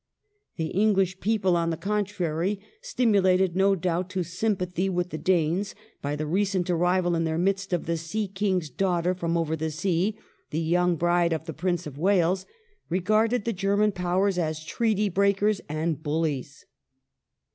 ^ The English people, on the contrary, stimulated no doubt to sympathy with the Danes by the recent arrival in their midst of the " Sea King's daughter from over the sea," the young bride of the Prince of Wales, regarded the German Powers as treaty breakers and bullies.